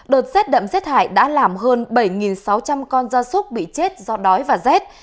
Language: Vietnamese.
đợt rét đậm rét hại đã làm hơn bảy sáu trăm linh con gia súc bị chết do đói và rét